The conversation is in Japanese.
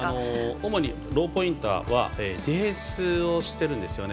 主にローポインターはディフェンスしているんですね。